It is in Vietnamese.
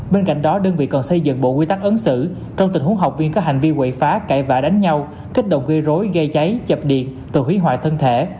bên cạnh đó đơn vị còn xây dựng bộ quy tắc ứng xử trong tình huống học viên có hành vi quậy phá cải vã đánh nhau kích động gây rối gây cháy chập điện và hủy hoại thân thể